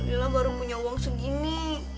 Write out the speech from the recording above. lila baru punya uang segini